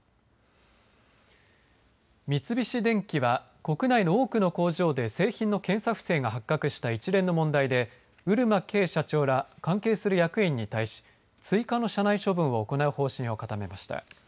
三菱電機は国内の多くの工場で製品の検査不正が発覚した一連の問題で漆間啓社長ら関係する役員に対し追加の社内処分を行う方針を固めました。